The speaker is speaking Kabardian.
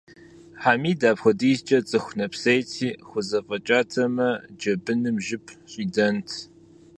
Хьэмид апхуэдизкӏэ цӏыху нэпсейти, хузэфӏэкӏатэмэ, джэбыным жып щӏидэнт.